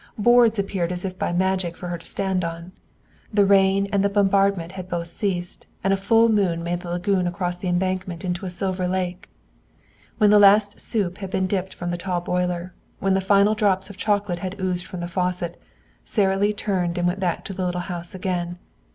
Boards appeared as if by magic for her to stand on. The rain and the bombardment had both ceased, and a full moon made the lagoon across the embankment into a silver lake. When the last soup had been dipped from the tall boiler, when the final drops of chocolate had oozed from the faucet, Sara Lee turned and went back to the little house again.